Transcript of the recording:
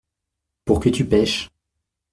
Pour que tu pêches.